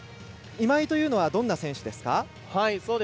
今井というのはどんな選手ですか？